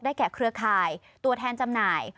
แก่เครือข่ายตัวแทนจำหน่าย